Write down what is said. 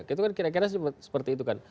itu kan kira kira seperti itu kan